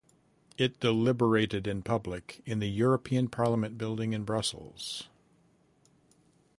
It deliberated in public in the European Parliament building in Brussels.